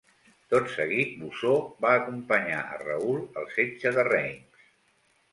Tot seguit Bosó va acompanyar a Raül al setge de Reims.